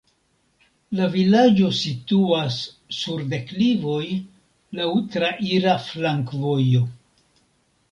La vilaĝo situas sur deklivoj, laŭ traira flankovojo.